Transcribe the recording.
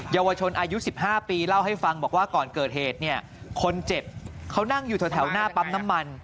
เยาวชนอายุ๑๕ปีเล่าให้ฟังบอกว่าก่อนเกิดเหตุเนี่ยคนเจ็บเขานั่งอยู่แถวหน้าปั๊มน้ำมัน